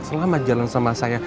selama jalan sama saya